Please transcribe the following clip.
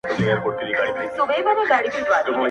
یو بیت یې را اخلو